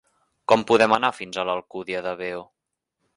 Com podem anar fins a l'Alcúdia de Veo?